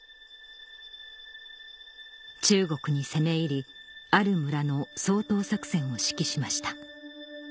中国に攻め入りある村の掃討作戦を指揮しました